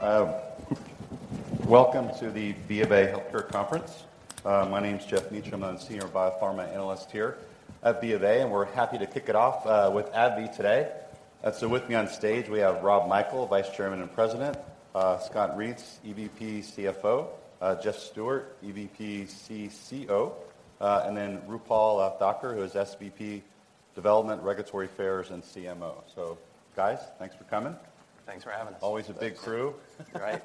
Welcome to the BofA Healthcare Conference. My name's Geoff Meacham. I'm a senior biopharma analyst here at BofA, and we're happy to kick it off with AbbVie today. With me on stage, we have Rob Michael, Vice Chairman and President, Scott Reents, EVP, CFO, Jeff Stewart, EVP, CCO, and Roopal Thakkar, who is SVP, Development, Regulatory Affairs, and CMO. Guys, thanks for coming. Thanks for having us. Always a big crew. Right.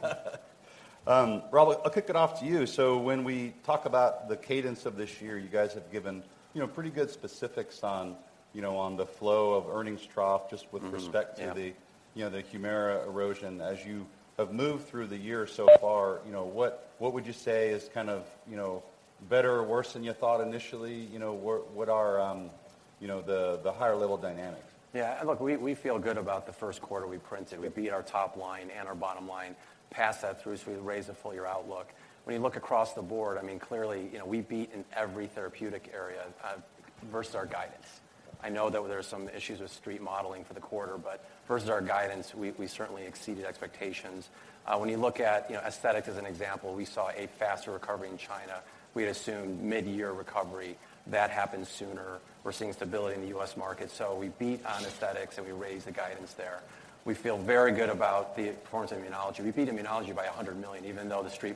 Rob, I'll kick it off to you. When we talk about the cadence of this year, you guys have given, you know, pretty good specifics on, you know, on the flow of earnings trough. Mm-hmm. Yeah.... respect to the, you know, the Humira erosion. As you have moved through the year so far, you know, what would you say is kind of, you know, better or worse than you thought initially? You know, what are, you know, the higher level dynamics? Look, we feel good about the first quarter we printed. We beat our top line and our bottom line, passed that through, we raised the full year outlook. When you look across the board, I mean, clearly, you know, we beat in every therapeutic area versus our guidance. I know that there are some issues with Street modeling for the quarter, versus our guidance, we certainly exceeded expectations. When you look at, you know, Aesthetics as an example, we saw a faster recovery in China. We had assumed mid-year recovery. That happened sooner. We're seeing stability in the U.S. market. We beat on Aesthetics, and we raised the guidance there. We feel very good about the performance in Immunology. We beat Immunology by $100 million, even though the Street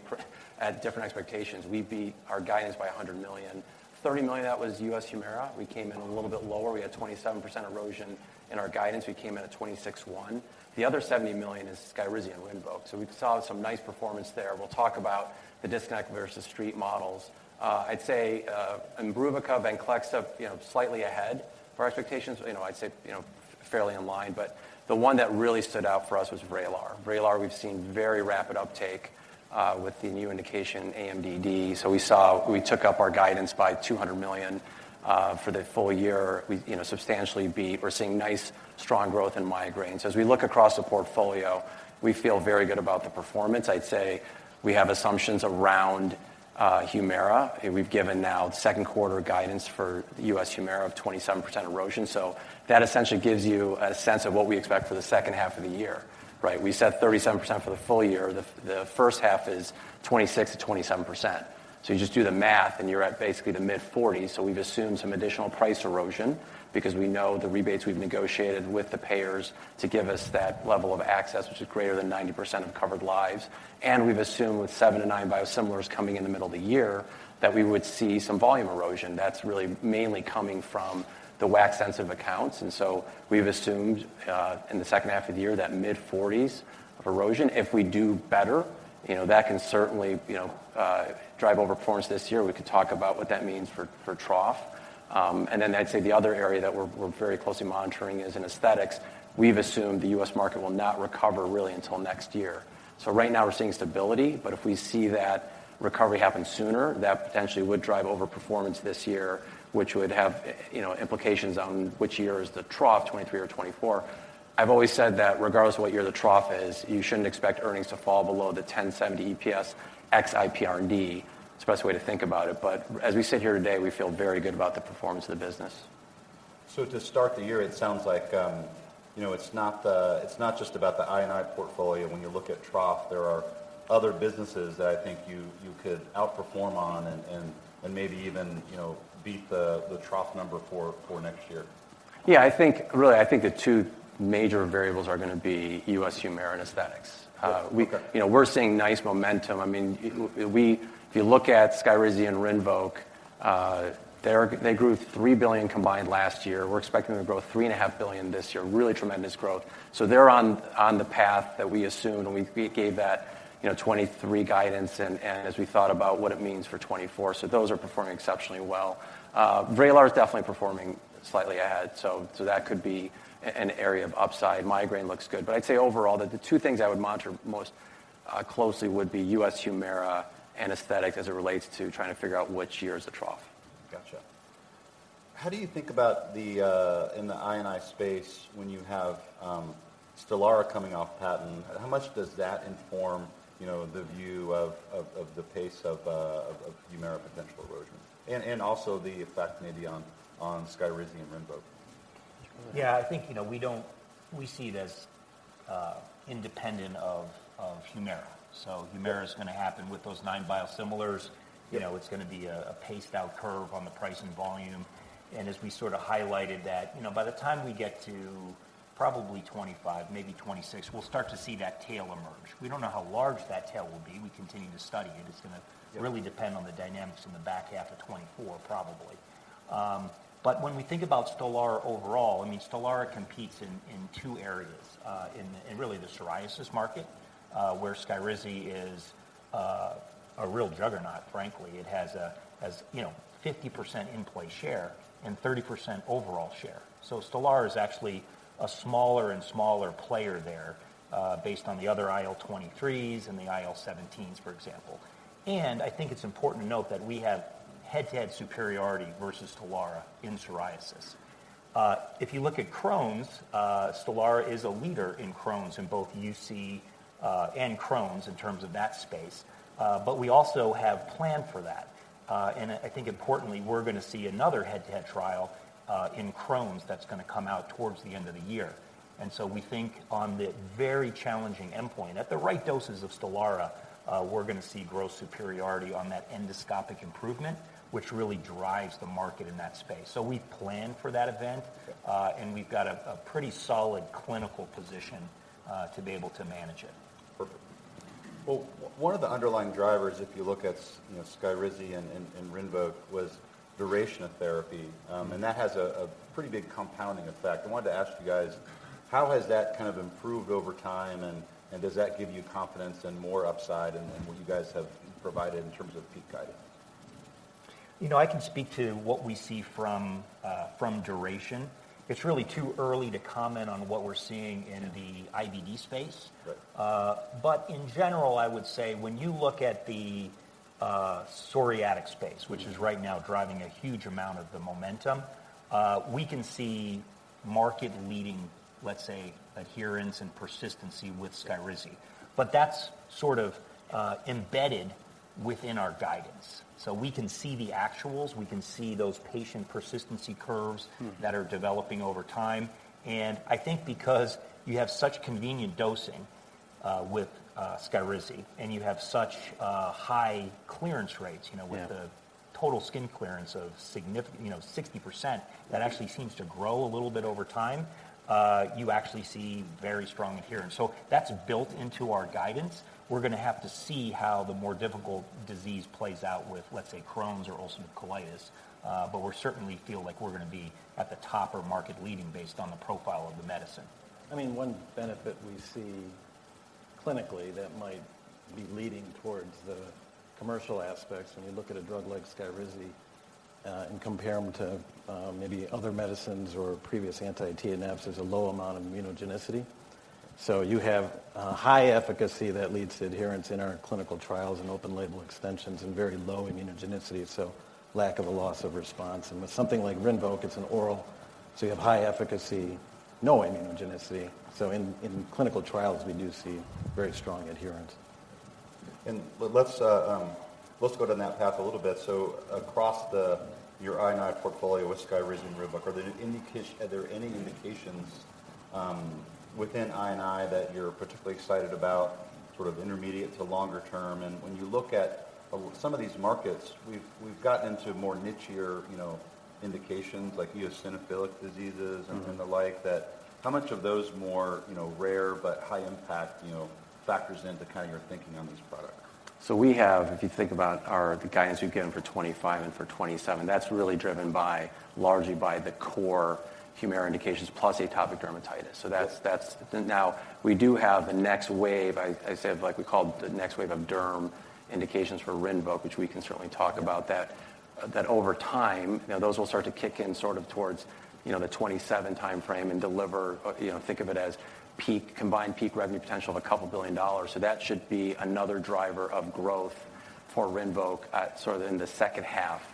had different expectations. We beat our guidance by $100 million. $30 million of that was U.S. Humira. We came in a little bit lower. We had 27% erosion in our guidance. We came in at 26.1. The other $70 million is Skyrizi and Rinvoq. We saw some nice performance there. We'll talk about the disconnect versus Street models. I'd say, IMBRUVICA, Venclexta, you know, slightly ahead of our expectations. You know, I'd say, you know, fairly in line, but the one that really stood out for us was VRAYLAR. VRAYLAR, we've seen very rapid uptake with the new indication aMDD. We took up our guidance by $200 million for the full year. We, you know, substantially beat. We're seeing nice, strong growth in migraines. As we look across the portfolio, we feel very good about the performance. I'd say we have assumptions around Humira. We've given now second quarter guidance for US Humira of 27% erosion. That essentially gives you a sense of what we expect for the second half of the year, right? We said 37% for the full year. The first half is 26%-27%. You just do the math, and you're at basically the mid-40s. We've assumed some additional price erosion because we know the rebates we've negotiated with the payers to give us that level of access, which is greater than 90% of covered lives, and we've assumed with 7-9 biosimilars coming in the middle of the year, that we would see some volume erosion. That's really mainly coming from the WAC-sensitive accounts. We've assumed, in the second half of the year, that mid-40s of erosion. If we do better, you know, that can certainly, you know, drive overperformance this year. We could talk about what that means for trough. I'd say the other area that we're very closely monitoring is in Aesthetics. We've assumed the U.S. market will not recover really until next year. Right now we're seeing stability, but if we see that recovery happen sooner, that potentially would drive overperformance this year, which would have, you know, implications on which year is the trough, 2023 or 2024. I've always said that regardless of what year the trough is, you shouldn't expect earnings to fall below the $10.70 EPS ex IPR&D. It's the best way to think about it. As we sit here today, we feel very good about the performance of the business. To start the year, it sounds like, you know, it's not just about the I&I portfolio. When you look at trough, there are other businesses that I think you could outperform on and maybe even, you know, beat the trough number for next year. Yeah, I think, really, I think the two major variables are gonna be U.S. Humira and Aesthetics. Okay We, you know, we're seeing nice momentum. I mean, if you look at Skyrizi and Rinvoq, they grew $3 billion combined last year. We're expecting to grow $3.5 billion this year. Really tremendous growth. They're on the path that we assumed, and we gave that, you know, 2023 guidance and as we thought about what it means for 2024. Those are performing exceptionally well. VRAYLAR is definitely performing slightly ahead, so that could be an area of upside. Migraine looks good. I'd say overall that the two things I would monitor most closely would be U.S. Humira and Aesthetic as it relates to trying to figure out which year is the trough. Gotcha. How do you think about the in the I&I space when you have Stelara coming off patent? How much does that inform, you know, the view of the pace of Humira potential erosion and also the effect maybe on Skyrizi and Rinvoq? You wanna- Yeah, I think, you know, we see it as, independent of Humira. Humira's gonna happen with those nine biosimilars. Yeah. You know, it's gonna be a paced out curve on the price and volume. As we sort of highlighted that, you know, by the time we get to probably 2025, maybe 2026, we'll start to see that tail emerge. We don't know how large that tail will be. We continue to study it. It's gonna really depend on the dynamics in the back half of 2024 probably. But when we think about Stelara overall, I mean, Stelara competes in two areas, in really the psoriasis market, where Skyrizi is a real juggernaut, frankly. It has, you know, 50% in-play share and 30% overall share. Stelara is actually a smaller and smaller player there, based on the other IL-23s and the IL-17s, for example. I think it's important to note that we have head-to-head superiority versus Stelara in psoriasis. If you look at Crohn's, Stelara is a leader in Crohn's in both UC, and Crohn's in terms of that space. We also have planned for thatAnd I think importantly, we're gonna see another head-to-head trial, in Crohn's that's gonna come out towards the end of the year. We think on the very challenging endpoint, at the right doses of Stelara, we're gonna see growth superiority on that endoscopic improvement, which really drives the market in that space. We've planned for that event, and we've got a pretty solid clinical position, to be able to manage it. Perfect. One of the underlying drivers, if you look at, you know, Skyrizi and Rinvoq, was duration of therapy. That has a pretty big compounding effect. I wanted to ask you guys, how has that kind of improved over time and does that give you confidence in more upside in what you guys have provided in terms of the peak guidance? You know, I can speak to what we see from duration. It's really too early to comment on what we're seeing in the IBD space. Good. In general, I would say when you look at the psoriatic space, which is right now driving a huge amount of the momentum, we can see market-leading, let's say, adherence and persistency with Skyrizi. That's sort of embedded within our guidance. We can see the actuals, we can see those patient persistency curves. Mm. That are developing over time. I think because you have such convenient dosing, with Skyrizi, and you have such high clearance rates, you know... Yeah. With the total skin clearance of you know, 60%, that actually seems to grow a little bit over time, you actually see very strong adherence. That's built into our guidance. We're gonna have to see how the more difficult disease plays out with, let's say, Crohn's or ulcerative colitis. We're certainly feel like we're gonna be at the top or market leading based on the profile of the medicine. I mean, one benefit we see clinically that might be leading towards the commercial aspects, when you look at a drug like Skyrizi, and compare them to, maybe other medicines or previous anti-TNFs, there's a low amount of immunogenicity. You have high efficacy that leads to adherence in our clinical trials and open label extensions and very low immunogenicity, so lack of a loss of response. With something like Rinvoq, it's an oral, so you have high efficacy, no immunogenicity. In clinical trials, we do see very strong adherence. Let's go down that path a little bit. Across the, your I&I portfolio with Skyrizi and Rinvoq, are there any indications within I&I that you're particularly excited about, sort of intermediate to longer term? When you look at some of these markets, we've gotten into more nichier, you know, indications like eosinophilic diseases. Mm-hmm. The like, that how much of those more, you know, rare but high impact, you know, factors into kind of your thinking on these products? We have, if you think about our, the guidance we've given for 2025 and for 2027, that's really driven by, largely by the core Humira indications plus atopic dermatitis. That's. Now, we do have the next wave, I said, like we call the next wave of derm indications for Rinvoq, which we can certainly talk about that over time, you know, those will start to kick in sort of towards, you know, the 2027 timeframe and deliver, you know, think of it as peak, combined peak revenue potential of $2 billion. That should be another driver of growth for Rinvoq at, sort of in the second half,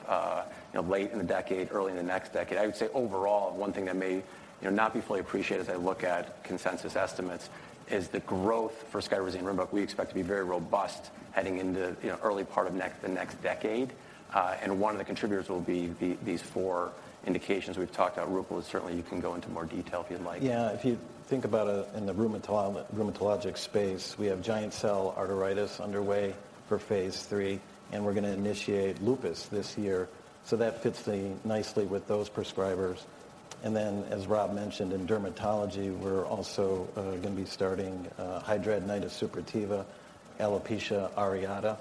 you know, late in the decade, early in the next decade. I would say overall, one thing that may, you know, not be fully appreciated as I look at consensus estimates is the growth for Skyrizi and Rinvoq, we expect to be very robust heading into, you know, early part of the next decade. One of the contributors will be these four indications we've talked about. Roopal, certainly you can go into more detail if you'd like. Yeah. If you think about in the rheumatologic space, we have giant cell arteritis underway for phase three, and we're gonna initiate lupus this year. That fits nicely with those prescribers. As Rob mentioned, in dermatology, we're also gonna be starting hidradenitis suppurativa, alopecia areata,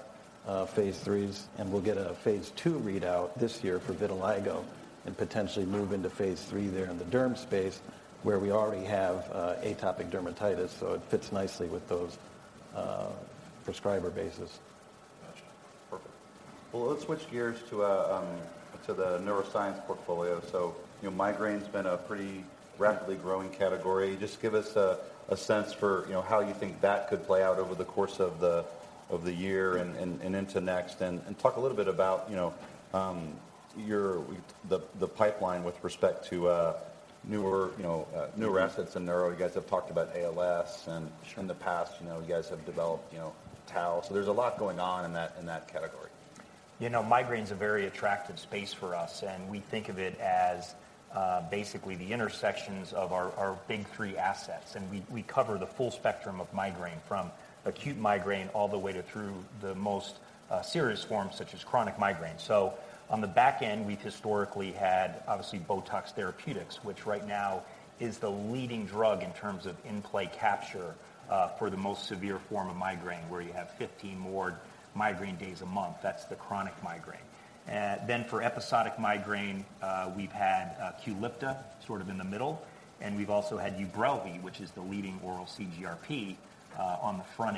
phase threes, and we'll get a phase two readout this year for vitiligo and potentially move into phase three there in the derm space, where we already have atopic dermatitis, it fits nicely with those prescriber bases. Gotcha. Perfect. Well, let's switch gears to the neuroscience portfolio. You know, migraine's been a pretty rapidly growing category. Just give us a sense for, you know, how you think that could play out over the course of the year and into next. Talk a little bit about, you know, your pipeline with respect to newer, you know, newer assets in neuro. You guys have talked about ALS. Sure. In the past, you know, you guys have developed, you know, tau. There's a lot going on in that, in that category. You know, migraine's a very attractive space for us, we think of it as basically the intersections of our big three assets. We, we cover the full spectrum of migraine, from acute migraine all the way to through the most serious forms, such as chronic migraine. On the back end, we've historically had, obviously, BOTOX therapeutics, which right now is the leading drug in terms of in-play capture for the most severe form of migraine, where you have 15 or more migraine days a month. That's the chronic migraine. Then for episodic migraine, we've had QULIPTA sort of in the middle, and we've also had UBRELVY, which is the leading oral CGRP on the front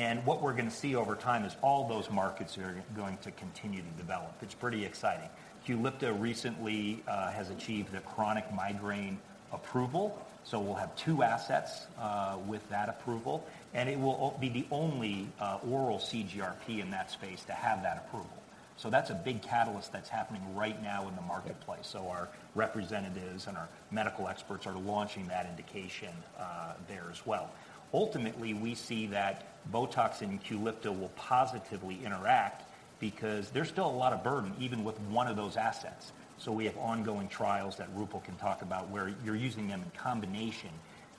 end. What we're gonna see over time is all those markets are going to continue to develop. It's pretty exciting. QULIPTA recently has achieved the chronic migraine approval, so we'll have two assets with that approval, and it will be the only oral CGRP in that space to have that approval. That's a big catalyst that's happening right now in the marketplace. Our representatives and our medical experts are launching that indication there as well. Ultimately, we see that BOTOX and QULIPTA will positively interact. Because there's still a lot of burden, even with one of those assets. We have ongoing trials that Roopal can talk about where you're using them in combination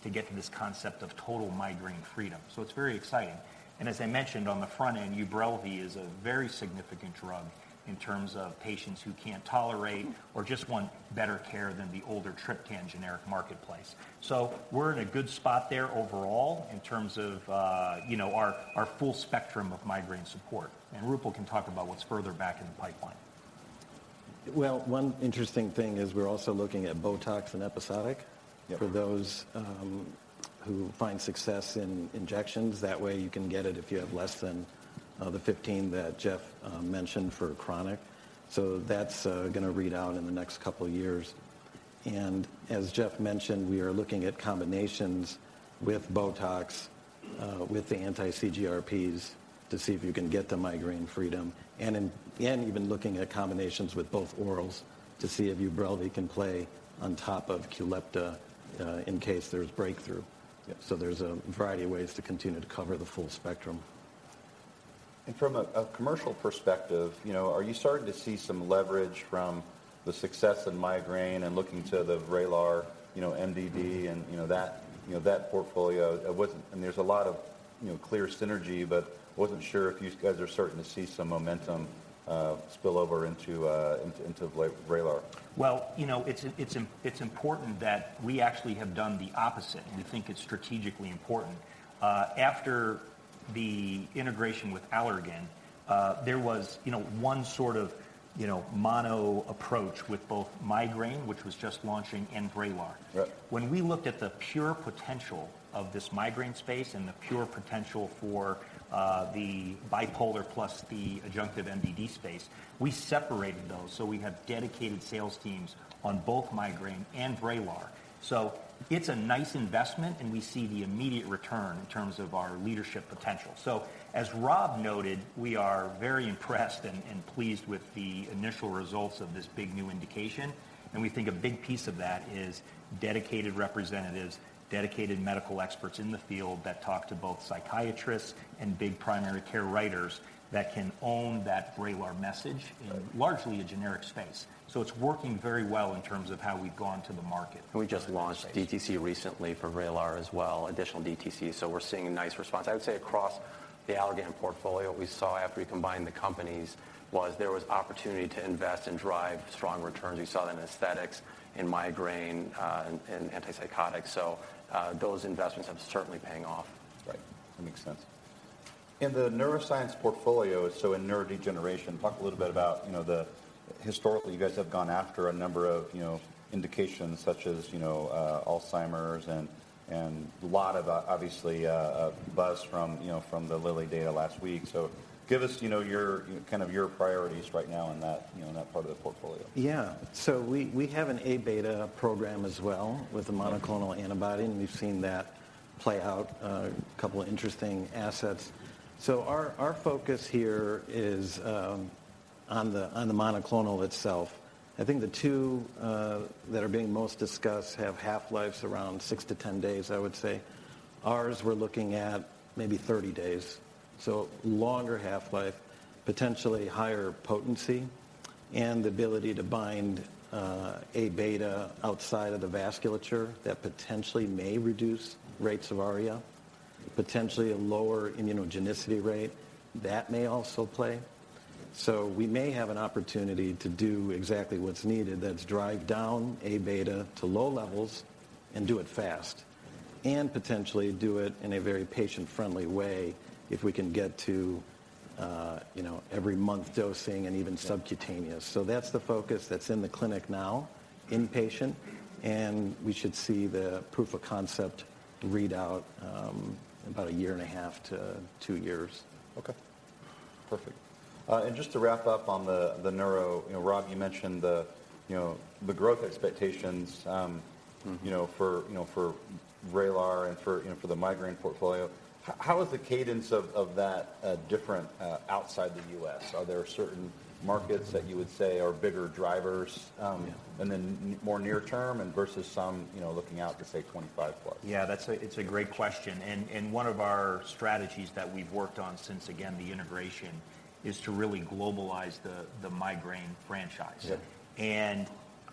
to get to this concept of total migraine freedom. It's very exciting. As I mentioned on the front end, UBRELVY is a very significant drug in terms of patients who can't tolerate or just want better care than the older triptan generic marketplace. We're in a good spot there overall in terms of, you know, our full spectrum of migraine support. Roopal can talk about what's further back in the pipeline. One interesting thing is we're also looking at BOTOX in episodic- Yeah ... for those who find success in injections. That way, you can get it if you have less than the 15 that Jeff mentioned for chronic. That's gonna read out in the next couple years. As Jeff mentioned, we are looking at combinations with BOTOX with the anti-CGRPs to see if you can get to migraine freedom, and even looking at combinations with both orals to see if UBRELVY can play on top of QULIPTA in case there's breakthrough. Yeah. There's a variety of ways to continue to cover the full spectrum. From a commercial perspective, you know, are you starting to see some leverage from the success in migraine and looking to the VRAYLAR, you know, MDD and, you know, that, you know, that portfolio? There's a lot of, you know, clear synergy, but wasn't sure if you guys are starting to see some momentum spill over into VRAYLAR. Well, you know, it's important that we actually have done the opposite. We think it's strategically important. After the integration with Allergan, there was, you know, one sort of, you know, mono approach with both migraine, which was just launching, and VRAYLAR. Right. When we looked at the pure potential of this migraine space and the pure potential for the bipolar plus the adjunctive MDD space, we separated those. We have dedicated sales teams on both migraine and VRAYLAR. It's a nice investment, and we see the immediate return in terms of our leadership potential. As Rob noted, we are very impressed and pleased with the initial results of this big new indication, and we think a big piece of that is dedicated representatives, dedicated medical experts in the field that talk to both psychiatrists and big primary care writers that can own that VRAYLAR message. Right... in largely a generic space. It's working very well in terms of how we've gone to the market. We just launched DTC recently for VRAYLAR as well, additional DTC, so we're seeing a nice response. I would say across the Allergan portfolio, what we saw after we combined the companies was there was opportunity to invest and drive strong returns. We saw that in aesthetics, in migraine, in antipsychotics. Those investments are certainly paying off. Right. That makes sense. In the neuroscience portfolio, so in neurodegeneration, talk a little bit about, you know, Historically, you guys have gone after a number of, you know, indications such as, you know, Alzheimer's and a lot of, obviously, buzz from, you know, from the Lilly data last week. Give us, you know, your, kind of your priorities right now in that, you know, in that part of the portfolio. We have an amyloid beta program as well with a monoclonal antibody, and we've seen that play out, a couple of interesting assets. Our focus here is on the monoclonal itself. I think the two that are being most discussed have half-lives around 6-10 days, I would say. Ours, we're looking at maybe 30 days, so longer half-life, potentially higher potency, and the ability to bind amyloid beta outside of the vasculature that potentially may reduce rates of ARIA, potentially a lower immunogenicity rate. That may also play. We may have an opportunity to do exactly what's needed. That's drive down amyloid beta to low levels and do it fast, and potentially do it in a very patient-friendly way if we can get to, you know, every month dosing and even subcutaneous. That's the focus. That's in the clinic now, inpatient. We should see the proof of concept readout in about a year and a half to two years. Okay. Perfect. Just to wrap up on the neuro, you know, Rob, you mentioned the, you know, the growth expectations. Mm-hmm... you know, for, you know, for VRAYLAR and for, you know, for the migraine portfolio. How is the cadence of that different outside the U.S.? Are there certain markets that you would say are bigger drivers? Yeah More near term and versus some, you know, looking out to, say, 25+? Yeah, that's a, it's a great question, and one of our strategies that we've worked on since, again, the integration is to really globalize the migraine franchise. Yeah.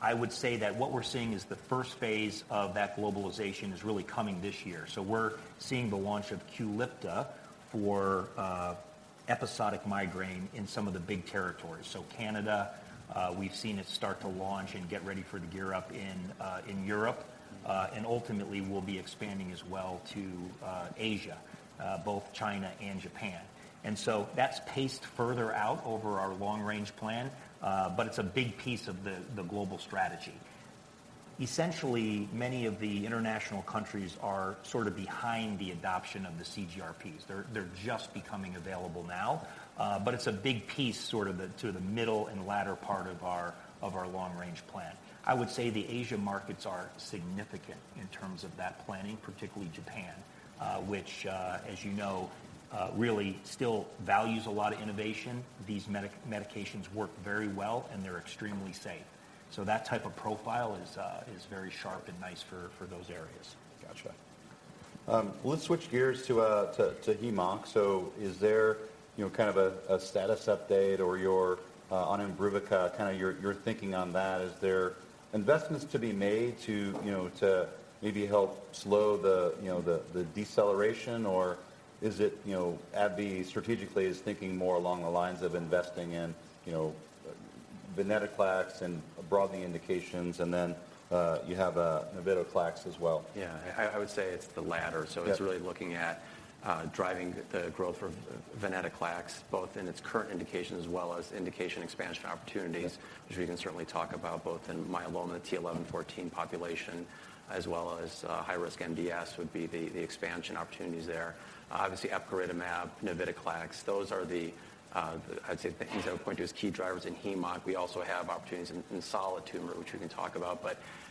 I would say that what we're seeing is the first phase of that globalization is really coming this year. We're seeing the launch of QULIPTA for episodic migraine in some of the big territories. Canada, we've seen it start to launch and get ready for the gear up in Europe, ultimately we'll be expanding as well to Asia, both China and Japan. That's paced further out over our long-range plan, but it's a big piece of the global strategy. Essentially, many of the international countries are sort of behind the adoption of the CGRPs. They're just becoming available now, but it's a big piece, sort of the, to the middle and latter part of our long-range plan. I would say the Asia markets are significant in terms of that planning, particularly Japan, which, as you know, really still values a lot of innovation. These medications work very well, and they're extremely safe. That type of profile is very sharp and nice for those areas. Gotcha. Let's switch gears to HemOnc. Is there, you know, kind of a status update or your thinking on that? Is there investments to be made to, you know, to maybe help slow the deceleration? Is it, you know, AbbVie strategically is thinking more along the lines of investing in, you know, Venclexta and broadening indications, and then, you have navitoclax as well. Yeah. I would say it's the latter. Yeah. It's really looking at, driving the growth for Venclexta both in its current indication as well as indication expansion opportunities. Yeah. Which we can certainly talk about both in myeloma t(11;14) population, as well as high risk MDS would be the expansion opportunities there. Obviously epcoritamab, navitoclax, those are the I'd say the things I would point to as key drivers in HemOnc. We also have opportunities in solid tumor, which we can talk about.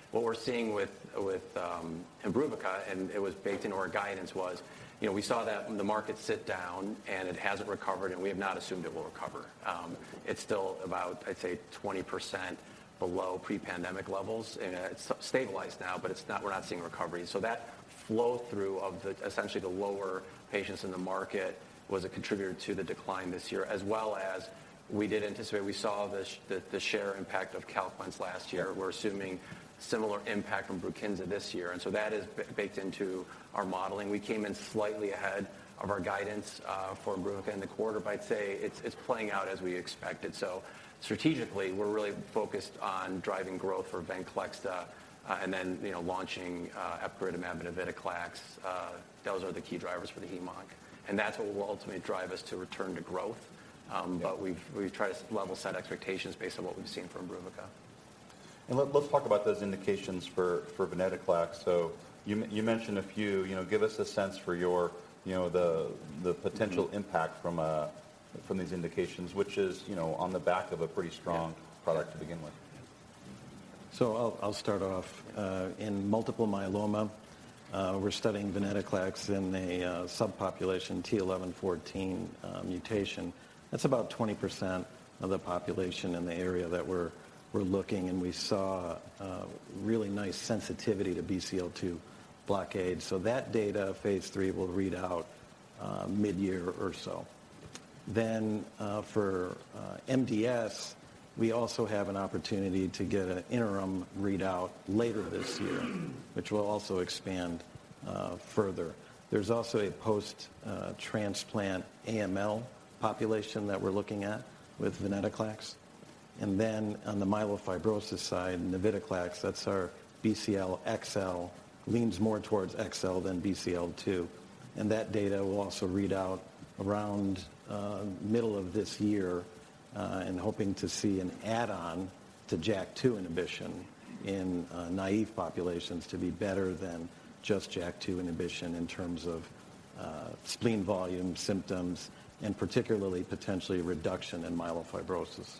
What we're seeing with IMBRUVICA, and it was baked into our guidance, was, you know, we saw that the market sit down and it hasn't recovered, and we have not assumed it will recover. It's still about, I'd say, 20% below pre-pandemic levels, and it's stabilized now, but it's not we're not seeing recovery. That flow-through of essentially the lower patients in the market was a contributor to the decline this year, as well as we did anticipate, we saw the share impact of Calquence last year. We're assuming similar impact from BRUKINSA this year, and so that is baked into our modeling. We came in slightly ahead of our guidance for IMBRUVICA in the quarter, but I'd say it's playing out as we expected. Strategically, we're really focused on driving growth for Venclexta, and then, you know, launching epcoritamab and navitoclax. Those are the key drivers for the HemOnc, and that's what will ultimately drive us to return to growth. Yeah. We've tried to level set expectations based on what we've seen from IMBRUVICA. Let's talk about those indications for Venclexta. You mentioned a few. You know, give us a sense for your, you know, the potential- Mm-hmm. Impact from these indications, which is, you know, on the back of a pretty strong. Yeah. Product to begin with. Yeah. I'll start off. In multiple myeloma, we're studying Venclexta in a subpopulation t(11;14) mutation. That's about 20% of the population in the area that we're looking, and we saw really nice sensitivity to BCL-2 blockade. That data, phase 3, will read out mid-year or so. For MDS, we also have an opportunity to get an interim readout later this year, which will also expand further. There's also a post-transplant AML population that we're looking at with Venclexta. On the myelofibrosis side, navitoclax, that's our BCL-XL, leans more towards XL than BCL-2. That data will also read out around middle of this year, hoping to see an add-on to JAK2 inhibition in naive populations to be better than just JAK2 inhibition in terms of spleen volume symptoms and particularly potentially reduction in myelofibrosis.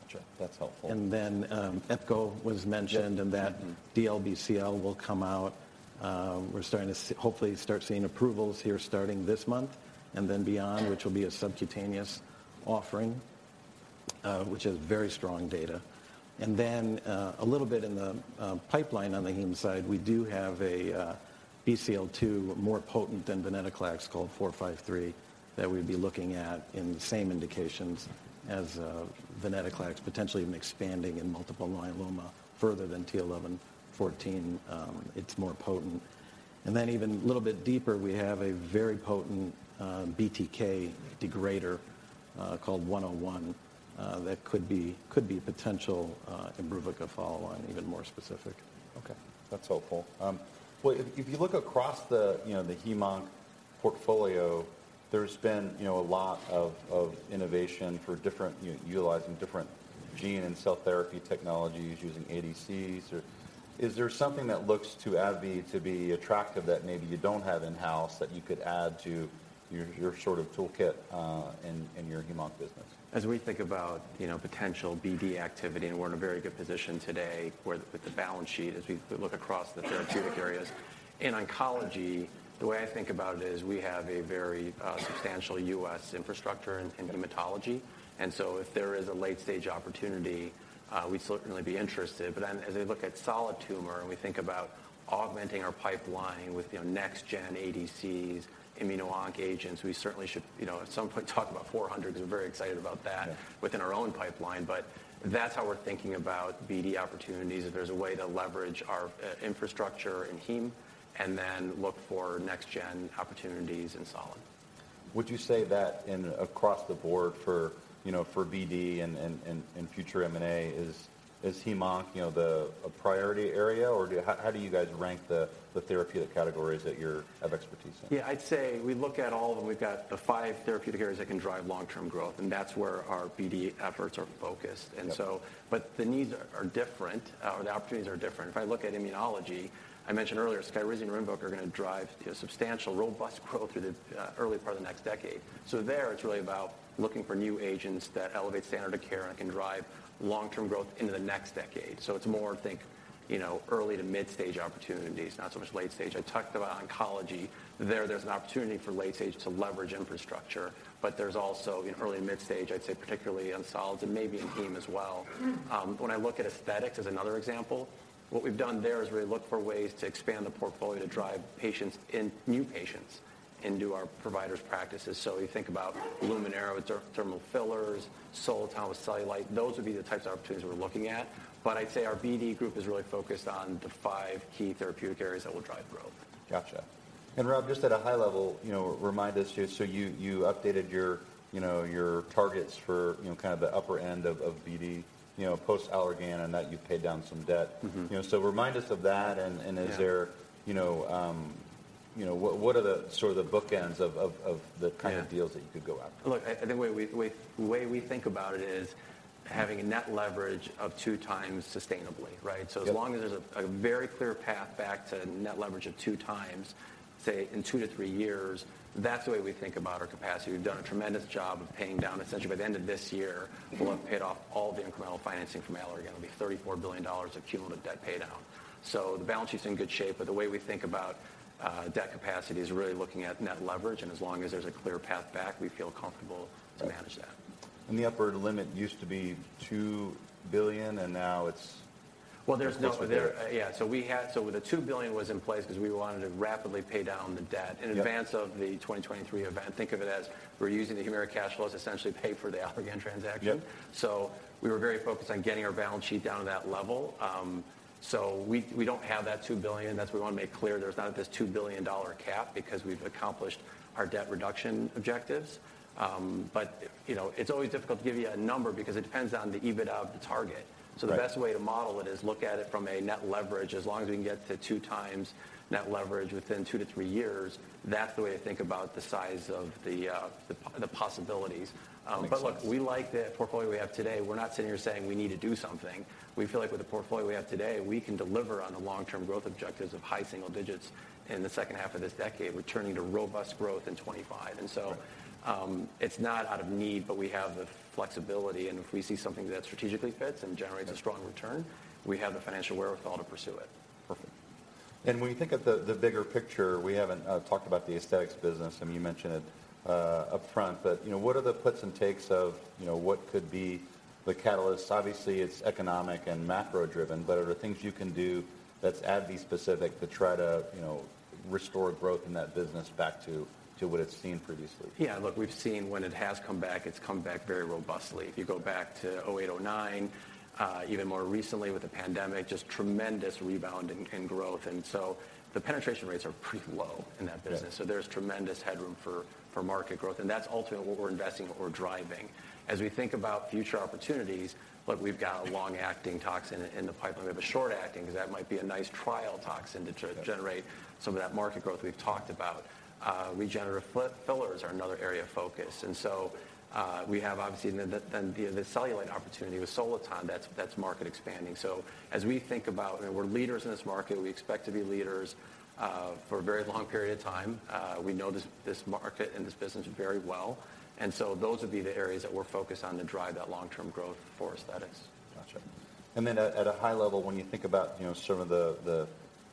Gotcha. That's helpful. Epcoritamab was mentioned. Yeah. Mm-hmm. That DLBCL will come out. We're starting to hopefully start seeing approvals here starting this month and then beyond, which will be a subcutaneous offering, which is very strong data. A little bit in the pipeline on the heme side, we do have a BCL-2 more potent than Venclexta called ABBV-453 that we'd be looking at in the same indications as Venclexta, potentially even expanding in multiple myeloma further than t(11;14). It's more potent. Even a little bit deeper, we have a very potent BTK degrader called ABBV-101 that could be a potential IMBRUVICA follow line, even more specific. Okay. That's helpful. If you look across the, you know, the HemOnc portfolio, there's been, you know, a lot of innovation for different, you know, utilizing different gene and cell therapy technologies using ADCs. Is there something that looks to AbbVie to be attractive that maybe you don't have in-house that you could add to your sort of toolkit in your HemOnc business? As we think about, you know, potential BD activity, and we're in a very good position today with the balance sheet as we look across the therapeutic areas. In oncology, the way I think about it is we have a very substantial U.S. infrastructure in hematology, and so if there is a late stage opportunity, we'd certainly be interested. As we look at solid tumor and we think about augmenting our pipeline with, you know, next gen ADCs, immuno-onc agents, we certainly should, you know, at some point talk about ABBV-400 because we're very excited about that. Yeah. Within our own pipeline. That's how we're thinking about BD opportunities, if there's a way to leverage our infrastructure in heme, and then look for next gen opportunities in solid. Would you say that in across the board for, you know, for BD and future M&A, is HemOnc, you know, the a priority area? How do you guys rank the therapeutic categories that you have expertise in? Yeah. I'd say we look at all of them. We've got the five therapeutic areas that can drive long-term growth, and that's where our BD efforts are focused. Yeah. The needs are different, or the opportunities are different. If I look at immunology, I mentioned earlier Skyrizi and Rinvoq are going to drive, you know, substantial robust growth through the early part of the next decade. There, it's really about looking for new agents that elevate standard of care and can drive long-term growth into the next decade. It's more think, you know, early to mid-stage opportunities, not so much late stage. I talked about oncology. There's an opportunity for late stage to leverage infrastructure, but there's also in early- and mid-stage, I'd say particularly in solids and maybe in heme as well. Mm-hmm. When I look at aesthetics as another example, what we've done there is really look for ways to expand the portfolio to drive new patients into our providers' practices. We think about Luminera with thermal fillers, Soliton with cellulite. Those would be the types of opportunities we're looking at. I'd say our BD group is really focused on the five key therapeutic areas that will drive growth. Gotcha. Rob, just at a high level, you know, remind us just so you updated your, you know, your targets for, you know, kind of the upper end of BD, you know, post Allergan, and that you paid down some debt. Mm-hmm. You know, remind us of that and is there. Yeah. You know, you know, what are the sort of the bookends of the. Yeah Of deals that you could go after? Look, I think the way we think about it is having a net leverage of 2x sustainably, right? Yep. As long as there's a very clear path back to net leverage of 2 times, say, in 2-3 years, that's the way we think about our capacity. We've done a tremendous job of paying down. Essentially, by the end of this year, we'll have paid off all the incremental financing from Allergan. It'll be $34 billion of cumulative debt paydown. The balance sheet's in good shape, but the way we think about debt capacity is really looking at net leverage, and as long as there's a clear path back, we feel comfortable to manage that. The upper limit used to be $2 billion, now it's. Well, there's no- What's it now? Yeah. The $2 billion was in place 'cause we wanted to rapidly pay down the debt. Yeah... in advance of the 2023 event. Think of it as we're using the Humira cash flows to essentially pay for the Allergan transaction. Yeah. We were very focused on getting our balance sheet down to that level. We don't have that $2 billion. We wanna make clear there's not this $2 billion cap because we've accomplished our debt reduction objectives. You know, it's always difficult to give you a number because it depends on the EBIT of the target. Right. The best way to model it is look at it from a net leverage. As long as we can get to 2 times net leverage within 2 to 3 years, that's the way to think about the size of the possibilities. Look, we like the portfolio we have today. We're not sitting here saying we need to do something. We feel like with the portfolio we have today, we can deliver on the long-term growth objectives of high single digits in the second half of this decade. We're turning to robust growth in 25. Right... it's not out of need, but we have the flexibility, and if we see something that strategically fits. Yeah... a strong return, we have the financial wherewithal to pursue it. Perfect. When you think of the bigger picture, we haven't talked about the aesthetics business. I mean, you mentioned it upfront, but, you know, what are the puts and takes of, you know, what could be the catalyst? Obviously, it's economic and macro-driven, but are there things you can do that's AbbVie-specific to try to, you know, restore growth in that business back to what it's seen previously? Yeah. Look, we've seen when it has come back, it's come back very robustly. If you go back to 2008, 2009, even more recently with the pandemic, just tremendous rebound in growth. The penetration rates are pretty low in that business. Yeah. There's tremendous headroom for market growth, that's ultimately what we're investing, what we're driving. As we think about future opportunities, look, we've got a long-acting toxin in the pipeline. We have a short-acting 'cause that might be a nice trial toxin. Yeah... generate some of that market growth we've talked about. Regenerative fillers are another area of focus. We have obviously, you know, the cellulite opportunity with Soliton. That's market expanding. As we think about, you know, we're leaders in this market. We expect to be leaders for a very long period of time. We know this market and this business very well. Those would be the areas that we're focused on to drive that long-term growth for aesthetics. Gotcha. At a high level, when you think about, you know, some of the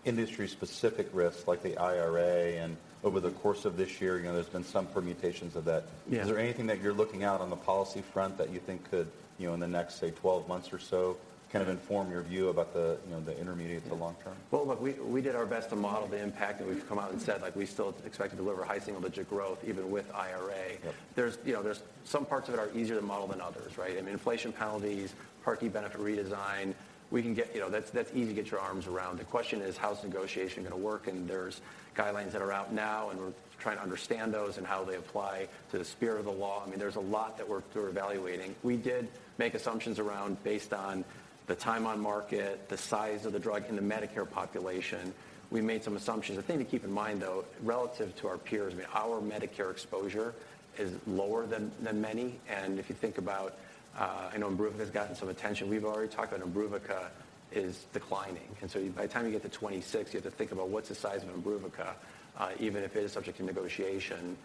industry-specific risks like the IRA, and over the course of this year, you know, there's been some permutations of that. Yeah. Is there anything that you're looking out on the policy front that you think could, you know, in the next, say, 12 months or so, kind of inform your view about the, you know, the intermediate to long term? Well, look, we did our best to model the impact, we've come out and said like we still expect to deliver high single-digit growth even with IRA. Yep. There's, you know, some parts of it are easier to model than others, right? I mean, inflation penalties, Part D benefit redesign, we can get. You know, that's easy to get your arms around. The question is how's negotiation gonna work, and there's guidelines that are out now, and we're trying to understand those and how they apply to the spirit of the law. I mean, there's a lot that we're evaluating. We did make assumptions around based on the time on market, the size of the drug, and the Medicare population. We made some assumptions. The thing to keep in mind though, relative to our peers, I mean, our Medicare exposure is lower than many. If you think about, I know Enbrel has gotten some attention. We've already talked about Enbrel. Humira is declining. By the time you get to 2026, you have to think about what's the size of Humira, even if it is subject to negotiation.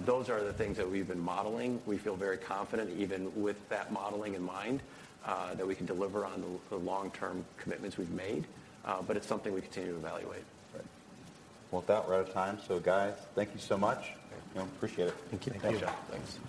Those are the things that we've been modeling. We feel very confident, even with that modeling in mind, that we can deliver on the long-term commitments we've made. It's something we continue to evaluate. Right. Well, with that, we're out of time. Guys, thank you so much. Okay. You know, appreciate it. Thank you. Thanks.